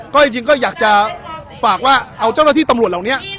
ก็จริงก็อยากจะฝากว่าเอาเจ้าหน้าที่ตำรวจเหล่านี้